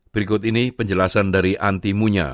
berikut ini penjelasan dari anti munya